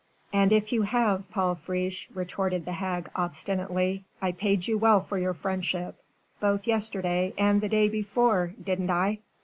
"And if you have, Paul Friche," retorted the hag obstinately, "I paid you well for your friendship, both yesterday and the day before, didn't I?"